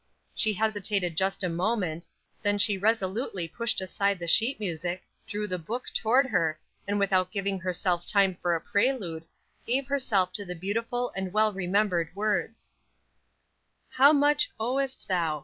She hesitated just a moment, then she resolutely pushed aside the sheet music, drew the book toward her, and without giving herself time for a prelude, gave herself to the beautiful and well remembered words: "How much owest thou?